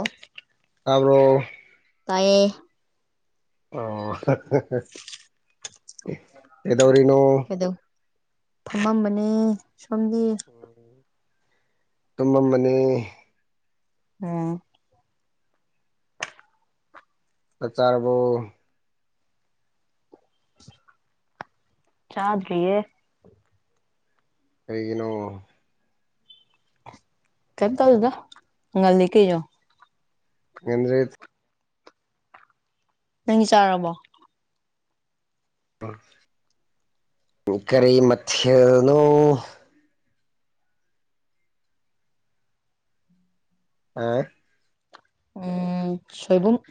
ꯑꯐ [unintelligible] ꯇꯥꯕ꯭ꯔꯣ ꯇꯥꯏꯌꯦ ꯀꯩꯗꯧꯔꯤꯅꯣ ꯀꯗ ꯐꯝꯃꯝꯕꯅꯦ ꯁꯣꯝꯗꯤ ꯇꯨꯃꯝ ꯃꯅꯦ ꯎꯝ [unintelligible] ꯆꯛ ꯆꯥꯔꯕꫭ ꯆꯥꯗ꯭ꯔꯤꯌꯦ ꯀꯩꯒꯤꯅꯣ ꯀꯩꯝ ꯇꯧꯗꯦꯗꯥ ꯉꯜꯂꯤ ꯀꯩꯅꯣ ꯑꯦꯟꯗ꯭ꯔꯤꯠ ꯅꯪꯗꯤ ꯆꯥꯔꯕꯣ ꯀꯔꯤ ꯃꯊꯥꯜꯅꯣ [unintelligible] ꯎꯝ ꯁꯣꯏꯕꯨꯡ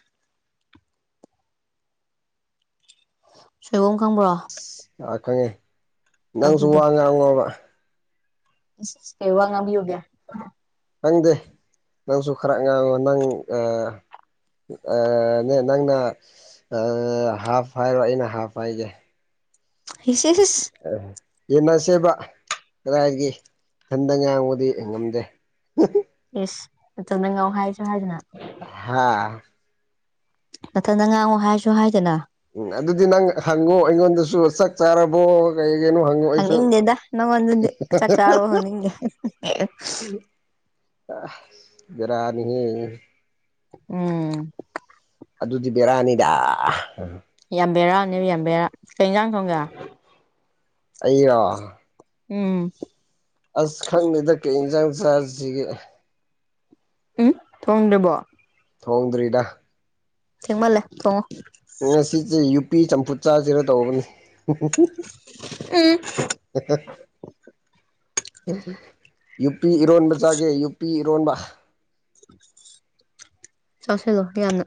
ꯁꯣꯏꯕꯨꯝ ꯈꯪꯕ꯭ꯔꯣ ꯑꯁ [unintelligible] ꯅꯪꯁꯨ ꯑꯗꯨꯗꯣ ꯋꯥ ꯉꯥꯡꯉꯣꯕ ꯑꯁ ꯑꯁ ꯀꯩ ꯋꯥ ꯉꯥꯡꯕꯤ ꯌꫭꯒꯦ ꯈꯪꯗꯦ ꯅꯪꯁꯨ ꯈꯔ ꯉꯥꯡꯉꯣ ꯅꯪ ꯑꯥ ꯑ ꯅꯦ ꯅꯪꯅ ꯑ ꯍꯥꯞ ꯍꯥꯏꯔꯣ ꯑꯩꯅ ꯍꯥꯞ ꯍꯥꯏꯒꯦ [unintelligible] ꯑ ꯌꯦꯟꯅꯁꯦꯕ ꯀꯗꯥꯏꯗꯒꯤ ꯏꯊꯟꯗ ꯉꯥꯡꯕꯗꯤ ꯉꯝꯗꯦ ꯏꯁ ꯅꯊꯟꯇ ꯉꯥꯎ ꯍꯥꯏꯁꯨ ꯍꯥꯏꯗꯅ ꯍꯥꯥ ꯃꯊꯟꯗ ꯉꯥꯡꯉꯨ ꯍꯥꯏꯔꯁꯨ ꯍꯥꯏꯗꯅ ꯎꯝ ꯑꯗꯨꯗꯤ ꯅꯪ ꯍꯪꯉꯣ ꯑꯩꯉꯣꯟꯗꯁꯨ ꯆꯥꯛ ꯆꯥꯔꯕꯣ ꯂꯩꯒꯅꯣ ꯍꯪꯉꫭ ꯑꯩꯁꯨ ꯑꯁ ꯍꯪꯅꯤꯡꯗꯦꯗ ꯅꯪꯉꯣꯟꯗꯗꯤ ꯆꯥꯛ ꯆꯥꯔꯕꯣ ꯍꯪꯅꯤꯡꯗꯦ ꯕꯦꯔꯥꯅꯤ ꯎꯝ꯫ ꯑꯗꯨꯗꯤ ꯕꯦꯔꯥꯅꯤꯗ ꯌꯥꯝ ꯕꯦꯔꯥꯅꯦꯕ ꯌꯥꯝꯕꯦꯔꯥ ꯀꯩ ꯏꯟꯖꯥꯡ ꯊꯣꯡꯒꯦ ꯑꯩꯔꯣ ꯎꯝ ꯑꯁ ꯈꯪꯗꯦꯗ ꯀꯩ ꯏꯟꯖꯥꯡ ꯆꯥꯖꯤꯒꯦ ꯎꯝ ꯊꯣꯡꯗ꯭ꯔꯕꯣ ꯊꯣꯡꯗ꯭ꯔꯤꯗ ꯊꯦꯡꯃꯜꯂꯦ ꯊꫭꯡꯉꫭ ꯉꯁꯤꯖꯦ ꯌꯨꯄꯤ ꯆꯝꯐꯨꯠ ꯆꯥꯖꯤꯔꯥ ꯇꯧꯕꯅꯤ ꯎꯝ [unintelligible] ꯌꯨꯄꯤ ꯏꯔꯣꯟꯕ ꯆꯥꯒꯦ ꯌꯨꯄꯤ ꯏꯔꯣꯟꯕ ꯆꯥꯁꯤꯂꯣ ꯌꯥꯝꯅ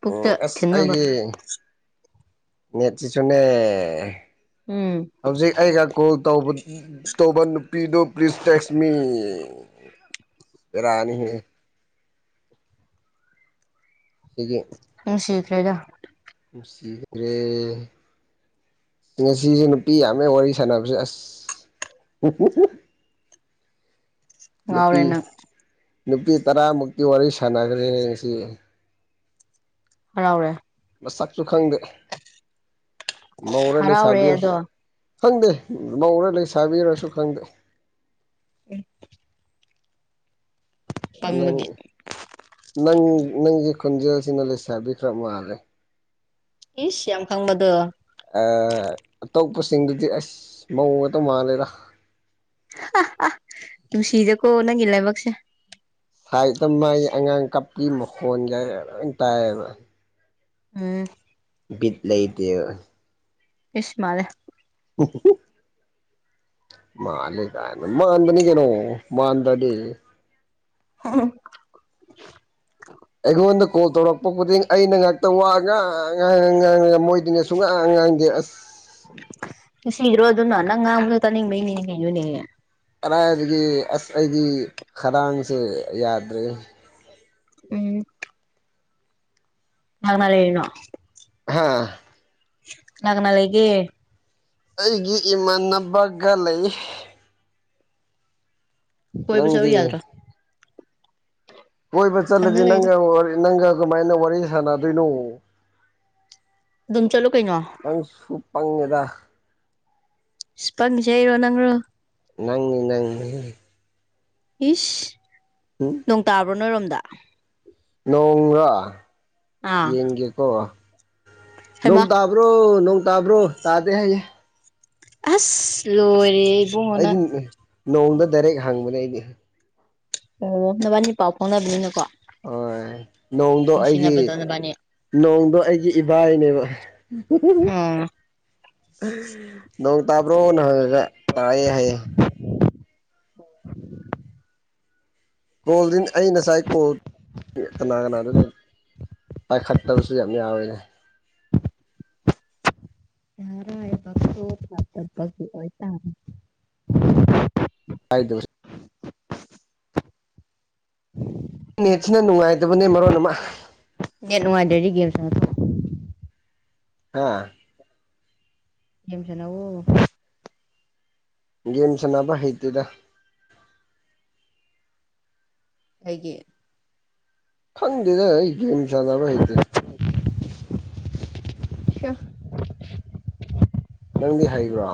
ꯄꯨꯛꯇꯥ ꯎꯝ ꯑꯁ ꯊꯤꯟꯅꯕ ꯑꯩꯒꯤ ꯅꯦꯠꯁꯤꯁꯨꯅꯦ ꯎꯝ ꯍꯧꯖꯤꯛ ꯑꯩꯒ ꯀꯣꯜ ꯇꯧꯕ ꯇꯧꯕ ꯅꯨꯄꯤꯗꯨ ꯄ꯭ꯂꯤꯖ ꯇꯦꯛꯁ ꯃꯤ ꯕꯦꯔꯥꯅꯤ ꯍꯦ ꯁꯤꯒꯤ ꯎꯝ ꯁꯤꯈꯔꯗ ꯁꯤꯒ꯭ꯔꯦ ꯉꯁꯤꯁꯦ ꯅꯨꯄꯤ ꯌꯥꯝꯃꯦ ꯋꯥꯔꯤ ꯁꯥꯟꯅꯕꯁꯦ ꯑꯁ ꯅꯨꯄꯤ ꯉꯥꯎꯔꯦ ꯅꯪ ꯅꯨꯄꯤ ꯇꯔꯥꯃꯨꯛꯇꯤ ꯋꯥꯔꯤ ꯁꯥꯟꯅꯒ꯭ꯔꯦꯅꯦ ꯉꯥꯁꯤ ꯍꯔꯥꯎꯔꯦ ꯃꯁꯛꯁꯨ ꯈꯪꯗꯦ ꯃꯧꯔꯥ ꯍꯔꯥꯎꯔꯦ ꯂꯩꯁꯥꯕꯤꯔꯁ ꯑꯗꯣ ꯈꯪꯗꯦ ꯃꯧꯔꯥ ꯂꯩꯁꯥꯕꯤꯔꯥꯁꯨ ꯈꯪꯗꯦ ꯑꯦ ꯅꯪ ꯅꯪ ꯅꯪꯒꯤ ꯈꯨꯟꯖꯥꯁꯤꯡꯅ ꯂꯩꯁꯥꯕꯤ ꯈ꯭ꯔ ꯃꯥꯜꯂꯦ ꯏꯁ ꯌꯥꯝ ꯈꯪꯕꯗꫭ ꯑꯇꯣꯞꯄꯁꯤꯡꯗꯨꯗꯤ ꯑꯁ ꯃꯧ ꯑꯇꯧ ꯃꯥꯜꯂꯦꯔꯥ ꯑ ꯑ ꯅꯨꯡꯁꯤꯗꯦꯀꯣ ꯅꯪꯒꯤ ꯂꯥꯏꯕꯛꯁꯦ ꯍꯥꯏꯗ ꯃꯥꯒꯤ ꯑꯉꯥꯡ ꯀꯞꯄꯤ ꯃꯈꯣꯟꯒ ꯂꯣꯏ ꯇꯥꯏꯌꯦꯕ ꯎꯝ ꯕꯤꯠ ꯂꯩꯇꯦ ꯏꯁ ꯃꯥꯅꯦ ꯑꯣ ꯃꯥꯜꯂꯤ ꯀꯥꯏꯅ ꯃꯥꯟꯕꯅꯤ ꯀꯩꯅꯣ ꯃꯥꯟꯗ꯭ꯔꯗꯤ ꯍꯥ ꯑꯩꯉꯣꯟꯗ ꯀꯣꯜ ꯇꯧꯔꯛꯄ ꯈꯨꯗꯤꯡ ꯑꯩꯅ ꯉꯥꯛꯇ ꯋꯥ ꯃꯣꯏꯗꯤ ꯁꯨꯡꯉꯛꯉꯥꯡꯗꯦ ꯑꯁ ꯁꯤ ꯏꯔꯣ ꯑꯗꯨꯅ ꯅꯪ ꯉ ꯇꯅꯤꯡ ꯃꯩꯅꯤ ꯌꯅꯦ ꯀꯗꯥꯥꯏꯗꯒꯤ ꯑꯁ ꯑꯩꯒꯤ ꯈꯔꯥꯡꯁꯦ ꯌꯥꯗ꯭ꯔꯦ ꯎꯝ ꯌꯥꯅꯅꯥ ꯌꯦꯅꯣ ꯍꯥꯥ ꯅꯒꯅ ꯂꯩꯒꯤ ꯑꯩꯒꯤ ꯏꯃꯥꯟꯅꯕꯒ ꯂꯩ ꯀꯣꯏꯕꯨ ꯆꯥꯋ ꯅꯪꯗꯤ ꯌꯥꯗ꯭ꯔꯥ ꯀꯣꯏꯕ ꯆꯠꯂꯗꯤ ꯊꯟꯗ ꯂꯩꯗ ꯅꯪꯒ ꯋꯥꯔꯤ ꯅꯪꯒ ꯀꯃꯥꯏꯅ ꯋꯥꯔꯤ ꯁꯥꯟꯅꯗꯣꯏꯅꯣ ꯑꯗꯨꯝ ꯆꯠꯂꯨ ꯀꯩꯅꯣ ꯄꯪꯁꯨ ꯄꯪꯉꯦꯗ ꯏꯁꯄꯪꯁꯦ ꯏꯔꯣ ꯅꯪꯔꯣ ꯅꯪꯅꯤ ꯅꯪꯅꯤ ꯏ ꯎꯝ ꯅꯣꯡ ꯇꯥꯕ꯭ꯔꯣ ꯅꯣꯏꯔꯣꯝꯗ ꯅꯣꯡꯥ ꯑꯥ ꯌꯦꯡꯒꯦꯀꯣ ꯅꯣꯡ ꯍꯩꯃꯥ ꯇ ꯇꯥꯕ꯭ꯔꯣ ꯅꯣꯡ ꯇꯥꯕ꯭ꯔꯣ ꯇꯥꯗꯦ ꯍꯥꯏꯌꯦ ꯑꯁ ꯂꯣꯏꯔꯦ ꯏꯕꯨꯡꯉꯣ ꯅꯪ ꯑꯩꯗꯤ ꯅꯣꯡꯗ ꯗꯥꯏꯔꯦꯛ ꯍꯪꯕꯅꯦ ꯑꯩꯗꯤ ꯑꯣ ꯅꯕꯥꯅꯤ ꯄꯥꯎ ꯐꯥꯎꯅꯕꯅꯤꯅꯀꯣ ꯍ ꯅꯣꯡꯗꯣ ꯑꯩꯒꯤ ꯅꯨꯡꯁꯤꯅꯕꯗꯣ ꯅꯕꯥꯅꯤ ꯅꯣꯡꯗꯣ ꯑꯩꯒꯤ ꯏꯕꯥꯏꯅꯦꯕ ꯎ ꯎꯝ ꯅꯣꯡ ꯇꯥꯕ꯭ꯔꯣ ꯅ ꯍꯪꯉꯒ ꯇꯥꯛꯑꯦ ꯍꯥꯏꯌꯦꯌꯦ ꯑꯣ ꯀꯣꯜꯗꯤ ꯑꯩ ꯉꯁꯥꯏ ꯀꯣꯜ ꯀꯅꯥ ꯀꯅꯥꯗꯣ ꯄꯥꯏꯈꯠꯇꯕꯁꯨ ꯌꯥꯝ ꯌꯥꯎꯋꯦ ꯇꯔ ꯐꯇ ꯇ ꯑꯔ ꯅꯦꯠꯁꯤꯅ ꯅꯨꯡꯉꯥꯏꯇꯕꯅꯦ ꯃꯔꯣꯟ ꯑꯃ ꯌꯦꯅꯨꯡꯦꯔꯤꯒꯦꯝ ꯁꯥ ꯑꯥ ꯍꯦꯝꯁꯤꯅꯎ ꯒꯦꯝ ꯁꯥꯟꯅꯕ ꯍꯩꯇꯦꯗ ꯑꯩꯒꯤ ꯈꯪꯗꯦꯗ ꯑꯩ ꯒꯦꯝ ꯁꯥꯟꯅꯕ ꯍꯩꯇꯦ ꯑ ꯅꯪꯗꯤ ꯍꯩꯕ꯭ꯔꯣ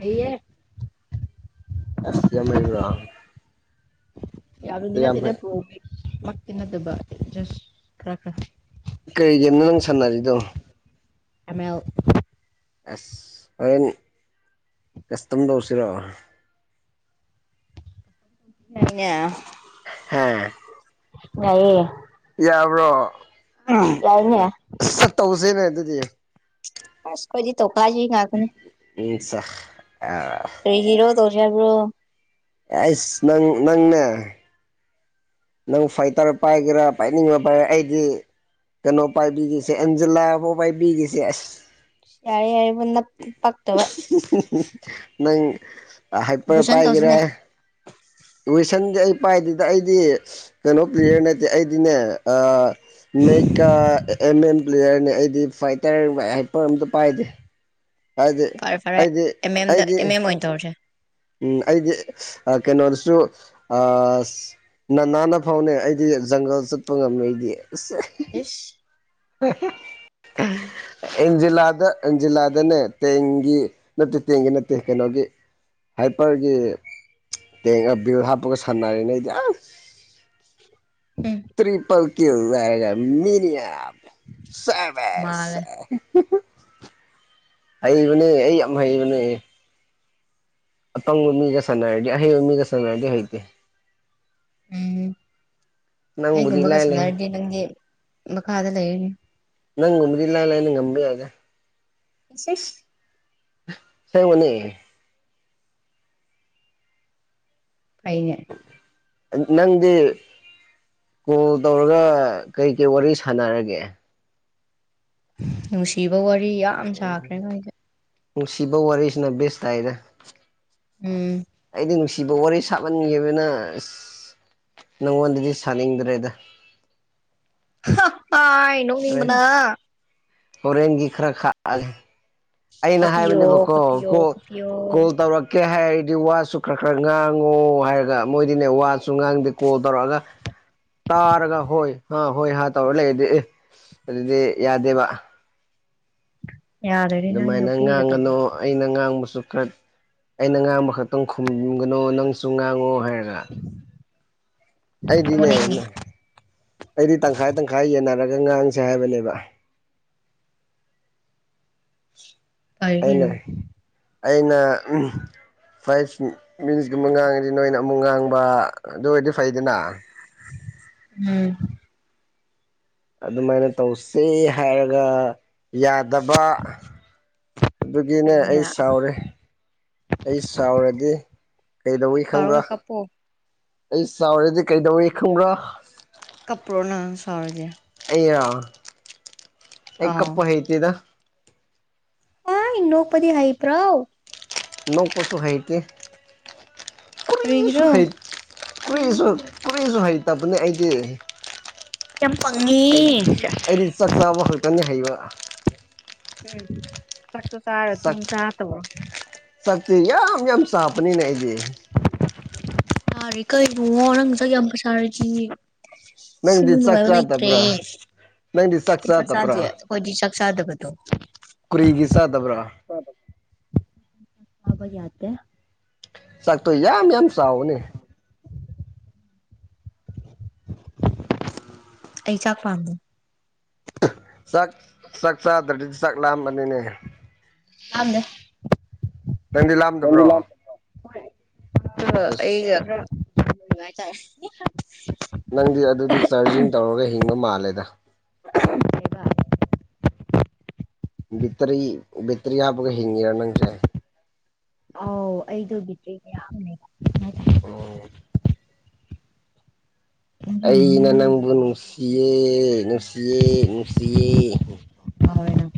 ꯍꯌꯦ ꯑꯁ ꯌꯥꯝꯃꯥꯏ ꯌꯥꯎꯔꯤꯟ ꯇꯗ ꯍꯩ ꯄ ꯃ ꯇꯅ ꯑꯗꯨꯕꯁ ꯀꯩꯒꯤꯅꯣ ꯅꯪ ꯁꯥꯟꯅꯔꯤꯗꯣ ꯑ ꯑꯁ ꯍꯣꯔꯦꯟ ꯀꯁꯇꯝꯗ ꯎꯁꯤꯔꯛꯑꯣ ꯑꯉ ꯍꯝ ꯉꯏꯌꯦ ꯌꯥꯕ꯭ꯔꯣ ꯑꯁ ꯆꯠꯇꯧꯁꯦꯅꯦ ꯑꯗꯨꯗꯤ ꯑꯁꯈꯗꯤ ꯇꯧꯀꯥꯁꯤ ꯉꯥꯛꯇꯅꯤ ꯎꯁ ꯍꯔꯣ ꯇꯔꯌꯥꯕꯨꯣ ꯑꯁ ꯅꯪ ꯅꯪꯅꯦ ꯅꯪ ꯐꯥꯏꯇꯔ ꯄꯥꯏꯒꯦꯔꯥ ꯄꯥꯏꯅꯤꯡꯕ ꯄꯥꯏꯒꯦꯔꯥ ꯑꯩꯗꯤ ꯀꯩꯅꯣ ꯄꯥꯏꯕꯤꯈꯤꯁꯦ ꯑꯟꯖꯂꯥꯕꯨꯥꯎ ꯄꯥꯏꯕꯤꯈꯤꯁꯦ ꯑꯁ ꯆꯔ ꯑꯦꯃꯅ ꯄ ꯇꯕ ꯅꯪ ꯑ ꯍꯥꯏꯛꯄ ꯄꯥꯏꯒꯔꯦ ꯇꯧꯁꯤꯅꯦ ꯀꯁꯟꯁꯦ ꯑꯩ ꯄꯥꯏꯗꯗ ꯑꯩꯗꯤ ꯀꯩꯅꯣ ꯄ꯭ꯂꯦꯌꯔ ꯅꯠꯇꯦ ꯑꯩꯗꯤꯅꯦ ꯃꯀ ꯑꯦꯝ ꯑꯦꯝ ꯄ꯭ꯂꯦꯌꯔꯅꯦ ꯑꯩꯗꯤ ꯐꯥꯏꯇꯔ ꯍꯥꯏꯄꯔ ꯑꯝꯇ ꯄꯥꯏꯗꯦ ꯍꯥꯏꯗꯤ ꯐꯔꯦ ꯐꯔꯦ ꯑꯩꯗꯤ ꯑꯦꯝ ꯑꯦꯝꯗ ꯑꯩꯗꯤ ꯑꯦꯝ ꯑꯦꯝ ꯇꯧꯔꯁꯦ ꯎꯝ ꯑꯩꯗꯤ ꯀꯩꯅꯣꯗꯨꯁꯨ ꯅꯅꯥꯟꯅ ꯐꯥꯎꯅꯦ ꯑꯩꯗꯤ ꯖꯪꯒꯜ ꯆꯠꯄ ꯉꯝꯃꯦ ꯑꯩꯗꯤ ꯑ ꯏꯁ ꯎꯝ ꯑꯦꯟꯖꯤꯂꯥꯗ ꯑꯦꯟꯖꯤꯂꯥꯗꯅꯦ ꯇꯦꯡꯒꯤ ꯅꯠꯇꯦ ꯇꯦꯡꯒꯤ ꯅꯠꯇꯦ ꯀꯩꯅꯣꯒꯤ ꯍꯥꯏꯄꯔꯒꯤ ꯇꯦꯡꯒ ꯕꯤꯜ ꯍꯥꯞꯄꯒ ꯁꯥꯟꯅꯔꯦꯅꯦ ꯑꯩꯗꯤ ꯑꯁ ꯎꯝ ꯇ꯭ꯔꯤꯄꯜ ꯀ ꯂꯩꯒ ꯃꯤꯅꯤꯌꯝ ꯃꯥꯜꯂꯦ ꯁꯚꯁ ꯍꯩꯕꯅꯦ ꯑꯩ ꯌꯥꯝ ꯍꯩꯕꯅꯦ ꯑꯄꯪꯕ ꯃꯤꯒ ꯁꯥꯟꯅꯔꯗꯤ ꯑꯍꯩꯕ ꯃꯤꯒ ꯁꯥꯟꯅꯔꯗꯤ ꯍꯩꯇꯦ ꯎꯝ ꯅꯪꯕꯨꯗꯤ ꯑꯩꯒꯨꯝꯕꯒ ꯏꯂꯥꯏ ꯂꯥꯏ ꯁꯟꯅꯔꯗꯤ ꯅꯪꯒꯤ ꯃꯈꯥꯗ ꯂꯩꯔꯤ ꯅꯪ ꯉꯝꯗ ꯂꯂ ꯂꯩꯥꯏꯩꯅꯪ ꯉꯝꯃꯦ ꯌꯥꯗꯦ ꯁꯤꯦꯁ ꯁ ꯃꯅꯤ ꯀꯩꯩꯅ ꯅꯪꯗꯤ ꯀꯣꯜ ꯇꯧꯔꯒ ꯀꯩꯀꯩ ꯋꯥꯔꯤ ꯁꯥꯟꯅꯔꯒꯦ ꯅꯨꯡꯁꯤꯕ ꯋꯥꯔꯤ ꯌꯥꯝ ꯎꯝ ꯁꯥꯈ꯭ꯔꯦ ꯅꯣꯏꯁꯦ ꯅꯨꯡꯁꯤꯕ ꯋꯥꯔꯤꯁꯤꯅ ꯕꯦꯁ ꯇꯥꯏꯗ ꯎꯝ ꯑꯩꯗꯤ ꯅꯨꯡꯁꯤꯕ ꯋꯥꯔꯤ ꯁꯥꯃꯟꯈꯤꯕꯅ ꯑꯁ ꯅꯪꯉꯣꯟꯗꯗꯤ ꯁꯥꯅꯤꯡꯗ꯭ꯔꯦꯗ ꯥꯏꯅꯣ ꯍꯣꯔꯦꯟ ꯍꯣꯔꯦꯟꯦꯟꯒꯤ ꯈꯔꯈꯥꯦ ꯑꯩꯅ ꯀꯞꯄꯤꯌꯣ ꯍꯥꯏꯕꯅꯦꯕꯀꯣꯣ ꯀꯞꯄꯤꯌꯣ ꯀꯞꯄꯤꯌꯣ ꯀꯣꯜ ꯇꯧꯔꯛ ꯀꯩ ꯍꯥꯏꯔꯗꯤ ꯋꯥꯁꯨ ꯈꯔ ꯈꯔ ꯉꯥꯡꯉꯣ ꯍꯥꯏꯔꯒ ꯃꯣꯏꯗꯤꯅꯦ ꯋꯥꯁꯨ ꯉꯥꯡꯗꯦ ꯀꯣꯜ ꯇꯧꯔꯛꯑꯒ ꯇꯥꯔꯒ ꯍꯣꯏ ꯍꯥ ꯍꯣꯏ ꯍꯥ ꯇꯧꯔ ꯂꯩꯔꯗꯤ ꯑꯦ ꯑꯗꯨꯗꯤ ꯌꯥꯗꯦꯕ ꯌꯥꯗ꯭ꯔꯗꯤ ꯅꯪ ꯑꯗꯨꯃꯥꯏꯅ ꯅꯨꯄꯤꯒꯗꯣ ꯉꯥꯡꯉꯅꯣ ꯑꯩꯅ ꯉꯥꯡꯕꯁꯨ ꯈꯔ ꯑꯩꯅ ꯉꯥꯡꯕ ꯈꯛꯇꯪ ꯈꯨꯝꯅꯤꯡꯒꯅꯣ ꯅꯪꯁꯨ ꯉꯥꯡꯉꯣ ꯍꯥꯏꯔꯒ ꯑꯩꯗꯤꯅꯦ ꯑꯣꯅꯤꯡꯉꯤ ꯑꯩꯗꯤ ꯇꯪꯈꯥꯏ ꯇꯪꯈꯥꯏ ꯌꯦꯟꯅꯔꯒ ꯉꯥꯡꯁꯦ ꯍꯥꯏꯕꯅꯦꯕ [inaudible] ꯑꯩꯅ ꯑꯩꯅ ꯎꯝ ꯐꯥꯏꯚ ꯃꯤꯟꯠꯁꯀꯨꯝꯕ ꯉꯥꯡꯉꯗꯤ ꯅꯣꯏꯅ ꯑꯃꯨꯛ ꯉꯥꯡꯕ ꯑꯗꯨ ꯑꯣꯏꯔꯗꯤ ꯐꯩꯗꯅ ꯎꯝ ꯑꯗꯨꯃꯥꯏꯅ ꯇꯧꯁꯤ ꯍꯥꯏꯔꯒ ꯌꯥꯗꯕ ꯑꯗꯨꯒꯤꯅꯦ ꯑꯩ ꯀꯩꯅꯦ ꯁꯥꯎꯔꯦ ꯑꯩ ꯁꯥꯎꯔꯗꯤ ꯀꯩꯗꯧꯋꯤ ꯈꯪꯕ꯭ꯔꯥ ꯁꯥꯎꯔꯒ ꯀꯞꯄꯣ ꯑꯩ ꯁꯥꯎꯔꯗꯤ ꯀꯩꯗꯧꯋꯤ ꯈꯪꯕ꯭ꯔꯥ ꯀꯞꯄ꯭ꯔꯣ ꯅꯪ ꯁꯥꯎꯔꯗꯤ ꯑꯩꯔꫭ ꯑꯩ ꯑꯥꯎ ꯀꯞꯄ ꯍꯩꯇꯦꯗ ꯑꫭꯏ ꯅꫭꯛꯄꯗꯤ ꯍꯩꯕꯔꫭ ꯅꫭꯛꯄꯁꯨ ꯍꯩꯇꯦ ꯀꯔꯤꯁꯨ ꯀꯔꯤꯒꯤꯔꯣ ꯍꯩ ꯀꯔꯤꯁꯨ ꯀꯔꯤꯁꯨ ꯍꯩꯇꯕꯅꯦ ꯑꯩꯗꯤ ꯑꯩ ꯌꯥꯝ ꯄꯪꯉꯦ ꯁꯦꯁ ꯑꯩꯗꯤ ꯆꯥꯛ ꯆꯥꯕ ꯈꯛꯇꯅꯦ ꯍꯩꯕ ꯎꯝ ꯆꯥꯛꯁꯨ ꯆꯥꯔ ꯇꯨꯝ ꯆꯥꯛ ꯆꯥ ꯇꯧꯋꫭ ꯆꯥꯛꯇꯤ ꯌꯥꯝ ꯌꯥꯝ ꯆꯥꯕꯅꯤꯅꯦ ꯑꯩꯗꯤ ꯍꯥꯔꯤ ꯀꯩꯕꯨꯉꯣ ꯅꯪ ꯆꯥꯛ ꯌꯥꯝ ꯆꯥꯔꯗꯤ ꯅꯪꯗꯤ ꯁꯤꯃꯨꯛ ꯆꯥꯛ ꯅꯨꯡꯉꯥꯏꯕ ꯂꯩꯇꯔꯦ ꯆꯥꯗꯕ꯭ꯔꯥ ꯅꯪꯗꯤ ꯑꯩ ꯆꯥꯛ ꯆꯥꯗꯕ꯭ꯔꯥ ꯆꯥꯗꯤꯌꯦ ꯑꯈꫭꯏꯗꯤ ꯆꯥꯛ ꯆꯥꯗꯕꯗꯣ ꯀꯨꯔꯤꯒꯤ ꯆꯥꯗꯕ꯭ꯔꯥ ꯆꯥꯕ ꯌꯥꯗꯦ ꯆꯥꯛꯇꯣ ꯌꯥꯝ ꯌꯥꯝ ꯆꯥꯎꯅꯦ ꯑꯩ ꯆꯥꯛ ꯄꯥꯝꯗꯦ ꯆꯥꯛ ꯆꯥꯛ ꯆꯥꯗ꯭ꯔꯗꯤ ꯆꯥꯛ ꯂꯥꯝꯕꯅꯤꯅꯦ ꯂꯥꯝꯗꯦ ꯅꯪꯗꯤ ꯂꯥꯝꯗꯕ꯭ꯔꯣ ꯍꫭꯏ ꯑꯁ ꯑꯩꯗꯤ ꯑꯗꯨꯝ ꯀꯩ ꯍꯥꯏꯇꯥꯔꯦ ꯅꯪꯗꯤ ꯑꯗꯨꯗꯤ ꯆꯥꯔꯖꯤꯡ ꯇꯧꯔꯒ ꯍꯤꯡꯕ ꯃꯥꯜꯂꯦꯗ ꯕꯦꯇꯔꯤ ꯕꯦꯇꯔꯤ ꯍꯥꯞꯄꯒ ꯍꯤꯡꯉꯤꯔ ꯅꯪꯁꯦ ꯑ ꯑꯩꯗꯣ ꯕꯦꯇꯔꯤ ꯃꯌꯥꯝꯅꯦꯕ ꯎꯝ ꯑꯩꯅ ꯅꯪꯕꯨ ꯅꯨꯡꯁꯤꯌꯦ ꯅꯨꯡꯁꯤꯌꯦ ꯅꯨꯡꯁꯤꯌꯦ ꯉꯥꯎꯔꯦ ꯅꯪ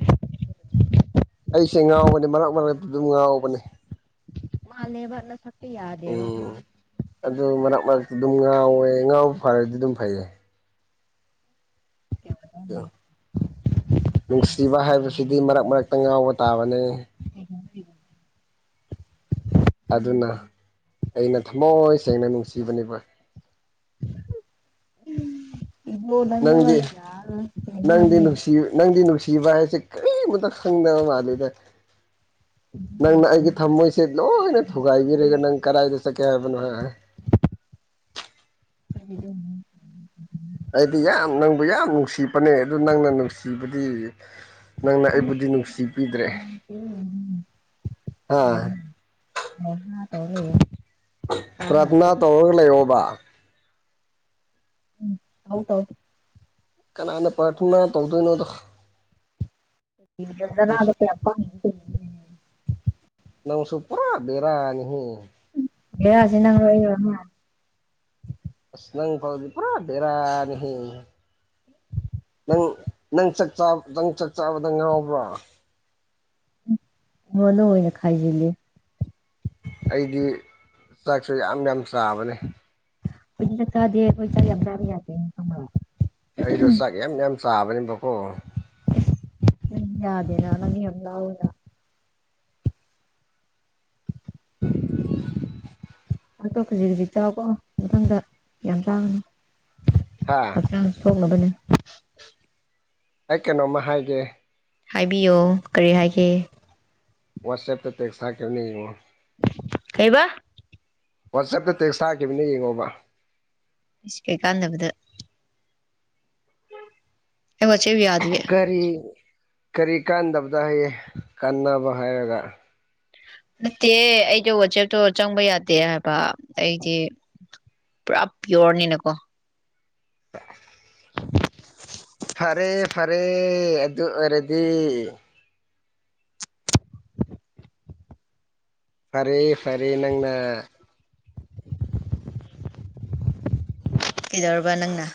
ꯑꯩꯁꯦ ꯉꯥꯎꯕꯅꯦ ꯃꯔꯛ ꯃꯔꯛꯇ ꯑꯗꯨꯝ ꯉꯥꯎꯕꯅꯦ ꯃꯥꯜꯂꯦꯕ ꯅꯁꯛꯇꫭ ꯌꯥꯗꯦꯕ ꯎꯝ ꯑꯗꯨ ꯃꯔꯛ ꯃꯔꯛꯇ ꯑꯗꯨꯝ ꯉꯥꯎꯋꯦ ꯉꯥꯎ ꯐꯔꯗꯤ ꯑꯗꯨꯝ ꯐꯩꯌꯦ ꯅꯨꯡꯁꯤꯕ ꯍꯥꯏꯕꯁꯤꯗꯤ ꯃꯔꯛ ꯃꯔꯛꯇ ꯉꯥꯎꯕ ꯇꯥꯕꯅꯦ ꯍ [unintelligible] ꯑꯗꯨꯅ ꯑꯩꯅ ꯊꯃꯣꯏ ꯁꯦꯡꯅ ꯅꯨꯡꯁꯤꯕꯅꯦꯕ ꯏꯕꯣ ꯅꯪꯒ ꯅꯪꯗꯤ ꯌꯥꯔꯔꯣꯏ ꯅꯪꯗꯤ ꯂꯩꯅꯥꯅꯤ ꯅꯨꯡꯁꯤ ꯅꯪꯗꯤ ꯅꯨꯡꯁꯤꯕ ꯍꯥꯏꯁꯦ ꯀꯔꯤ ꯃꯠꯇ ꯈꯪꯗꯕ ꯃꯥꯜꯂꯤꯗ ꯅꯪꯅ ꯑꯩꯒꯤ ꯊꯝꯃꯣꯏꯁꯦ ꯂꯣꯏꯅ ꯊꯨꯒꯥꯏꯕꯤꯔꯒ ꯅꯪ ꯀꯗꯥꯏꯗ ꯆꯠꯀꯦ ꯍꯥꯏꯕꯅꯣ ꯍꯥ ꯍꯝ [unintelligible] ꯑꯩꯗꯤ ꯌꯥꯝ ꯅꯪꯕꯨ ꯌꯥꯝ ꯅꯨꯡꯁꯤꯕꯅꯦ ꯑꯗꯨ ꯅꯪꯅ ꯅꯨꯡꯁꯤꯕꯗꯤ ꯅꯪꯅ ꯑꯩꯕꯨꯗꯤ ꯅꯨꯡꯁꯤꯕꯤꯗ꯭ꯔꯦ ꯍꯥ ꯍꫭꯏ ꯍꯥ ꯇꯧꯔ ꯂꯩꯌꯨ ꯄꯔꯠꯅꯥ ꯇꯧꯔꯒ ꯂꯩ ꯌꫭꯕ ꯎꯝ ꯍꯥꯎꯗꯥꯎ ꯀꯅꯥꯅ ꯄꯔꯊꯅ ꯇꯧꯗꯣꯏꯅꯣ ꯅꯌꯥꯄ ꯅꯧꯁꯨ ꯄꯨꯔꯥꯕꯤꯔꯥꯅꯤꯍ ꯌꯥꯁꯤ ꯅꯪ ꯑꯣꯏ [unintelligible] ꯑꯁ ꯅꯪ ꯐꯧꯗꯤ ꯄꯨꯔꯥ ꯕꯦꯔꯥꯅꯤ ꯍꯦ [unintelligible] ꯅꯪ ꯅꯪ ꯅꯪ ꯆꯥꯛ ꯆꯥꯕꯗ ꯉꯥꯎꯕ꯭ꯔꯥ ꯃꯅ ꯍꯅ ꯈꯥꯏꯖ [unintelligible] ꯑꯩꯗꯤ ꯆꯥꯛꯁꯨ ꯌꯥꯝ ꯌꯥꯝ ꯆꯥꯕꯅꯤ ꯑꯩꯈꯣꯏ ꯗꯤ ꯆꯥꯛ ꯆ ꯑꯩꯈꯣꯏ ꯗꯤ ꯆꯥꯛ ꯌꯥꯝ ꯆꯥꯕꯥ ꯌꯥꯗꯦ ꯑꯩꯗꯣ ꯆꯥꯛ ꯌꯥꯝ ꯌꯥꯝ ꯆꯥꯕꯅꯦꯕꯀꯣ ꯌꯥꯗꯦꯅ ꯅꯪ ꯗꯤ ꯌꯥꯝ ꯂꯧꯏꯅꯥ ꯑꯇꯣ ꯈꯖꯤꯛ ꯈꯖꯤꯛ ꯆꯥꯎꯥꯛꯀꯣ ꯃꯊꯪꯗ ꯌꯥꯝ ꯆꯒꯥꯅꯤ ꯍꯥꯥ ꯑꯥꯅꯥꯟ ꯁꯣꯛꯅꯕꯅꯦ ꯑꯩ ꯀꯩꯅꯣꯝꯃ ꯍꯥꯏꯒꯦ ꯍꯥꯏꯕꯤꯌꯣ ꯀꯔꯤ ꯍꯥꯏꯒꯦ ꯋꯥꯇꯁꯑꯞ ꯇꯦꯛ ꯊꯈꯤꯕꯅꯦ ꯌꯦꯉꯨ ꯀꯩꯕ ꯋꯥꯆꯦꯞꯇ ꯇꯦꯛꯁ ꯊꯥꯈꯤꯕꯅꯦ ꯌꯦꯡꯉꯣꯕ ꯑꯩꯁ ꯀꯩ ꯀꯥꯟꯗꯕꯗ ꯑꯩ ꯋꯔꯆꯞ ꯌꯥꯗꯦꯌꯦ ꯀꯔꯤ ꯀꯔꯤ ꯀꯥꯟꯗꯕꯗ ꯍꯌꯦ ꯀꯥꯟꯅꯕ ꯍꯥꯏꯔꯒ ꯅꯠꯇꯦ ꯑꯩꯗꯣ ꯋꯥꯆꯦꯞꯇꯣ ꯆꯪꯕ ꯌꯥꯗꯦ ꯍꯥꯏꯕ ꯑꯩꯗꯤ ꯄꯨꯔꯥ ꯄꯤꯌꯣꯔꯅꯤꯅꯦꯀꯣ ꯑ [unintelligible] ꯐꯔꯦ ꯐꯔꯦ ꯑꯗꯨ ꯑꯣꯏꯔꯗꯤ ꯐꯔꯦ ꯐꯔꯦ ꯅꯪꯅ ꯀꯩꯗꯧꯔꯕ ꯅꯪꯅ